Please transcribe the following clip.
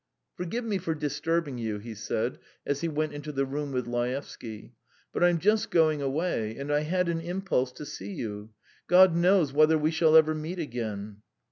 "Forgive me for disturbing you," he said as he went into the room with Laevsky, "but I'm just going away, and I had an impulse to see you. God knows whether we shall ever meet again."